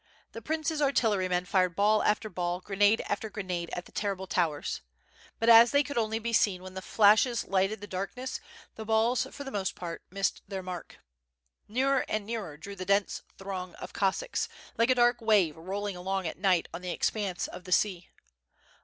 The prince's artillerymen fired ball after ball, grenade after grenade, at the terrible towers. But as they could only be seen when the flashes lighted the darkness, the balls for the most part missed their mark. Nearer and nearer drew the dense throng of Cossacks, like a dark wave rolling along at night on the expanse of the sea.